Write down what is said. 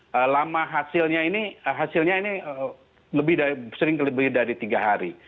lalu lama hasilnya ini hasilnya ini lebih dari sering lebih dari tiga hari